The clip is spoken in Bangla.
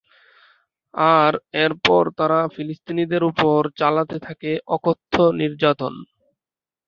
আর এরপর তারা ফিলিস্তিনিদের উপর চালাতে থাকে অকথ্য নির্যাতন।